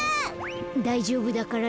だいじょうぶだからね。